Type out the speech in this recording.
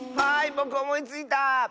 ぼくおもいついた！